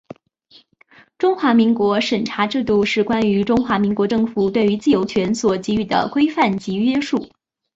中华民国审查制度是关于中华民国政府对于自由权所给予的规范及约束。